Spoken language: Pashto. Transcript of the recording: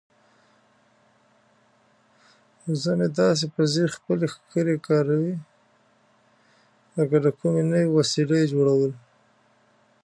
وزه مې داسې په ځیر خپلې ښکرې کاروي لکه د کومې نوې وسیلې جوړول.